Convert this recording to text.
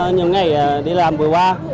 nhưng ngày đi làm vừa qua